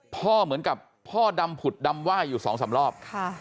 เหมือนกับพ่อดำผุดดำไหว้อยู่สองสามรอบ